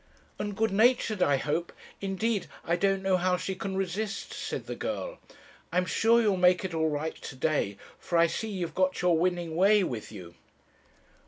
"'And good natured, I hope. Indeed, I don't know how she can resist,' said the girl; 'I'm sure you'll make it all right to day, for I see you've got your winning way with you.'